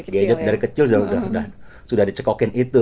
gadget dari kecil sudah dicekokin itu